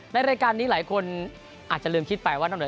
ในรายการนี้หลายคนอาจจะลืมคิดไปว่า